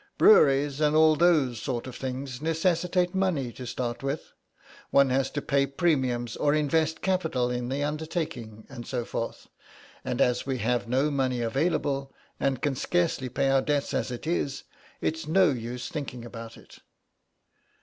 "Breweries and all those sort of things necessitate money to start with; one has to pay premiums or invest capital in the undertaking, and so forth. And as we have no money available, and can scarcely pay our debts as it is, it's no use thinking about it."